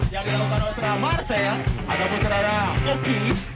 yang dilakukan oleh senara marcel ada pun senara oki